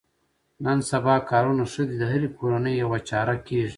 نن سبا کارونه ښه دي د هرې کورنۍ یوه چاره کېږي.